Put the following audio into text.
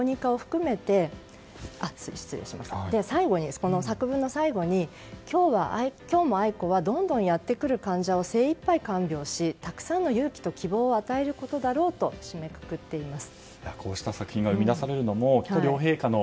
この作文の最後に今日も愛子はどんどんやってくる患者を精いっぱい看病したくさんの勇気と感動を与えることだろうと締めくくっています。